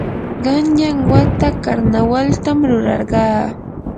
qanyan wata karnawaltam rurarqaa.